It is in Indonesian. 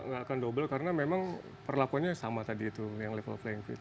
nggak akan double karena memang perlakuannya sama tadi itu yang level flying field